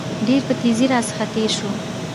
ډېر په تېزى راڅخه تېر شو.